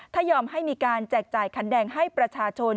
ถ้ายอมให้มีการแจกจ่ายขันแดงให้ประชาชน